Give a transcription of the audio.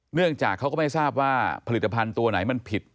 เนื่องจากเขาก็ไม่ทราบว่าผลิตภัณฑ์ตัวไหนมันผิด